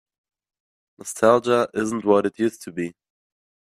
Nostalgia isn't what it used to be.